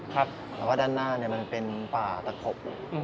แต่ว่าด้านหน้าเนี่ยมันเป็นป่าตะครบ